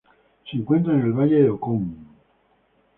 Se encuentra en el Valle de Ocón.